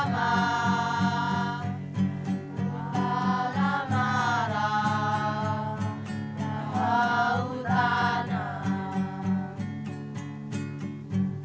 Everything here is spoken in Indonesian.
saya berharap pak